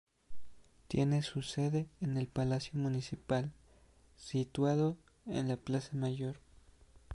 Tiene su sede en el Palacio Municipal, situado en la Plaza Mayor.